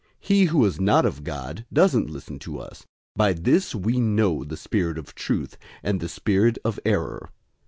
He who is not of God doesn't listen to us. By this we know the spirit of truth, and the spirit of error.